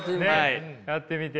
やってみて。